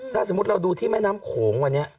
ถ้าสมมุติเราดูที่แม่น้ำโขงวันนี้